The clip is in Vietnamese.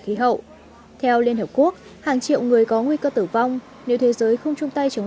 bệnh theo liên hiệp quốc hàng triệu người có nguy cơ tử vong nếu thế giới không chung tay chống